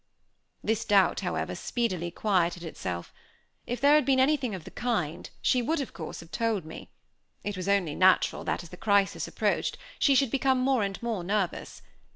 This doubt, however, speedily quieted itself. If there had been anything of the kind, she would, of course, have told me. It was only natural that, as the crisis approached, she should become more and more nervous.